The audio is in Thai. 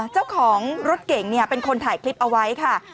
เจ้าของรถเก่งเป็นคนถ่ายคลิปเอาไว้ค่ะ